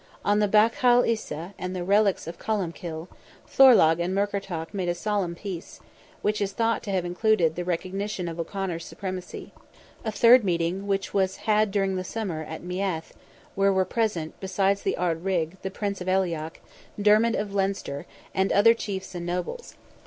On the Bachall Isa and the relics of Columbkill, Thorlogh and Murkertach made a solemn peace, which is thought to have included the recognition of O'Conor's supremacy. A third meeting was had during the summer in Meath, where were present, beside the Ard Righ, the Prince of Aileach, Dermid of Leinster, and other chiefs and nobles.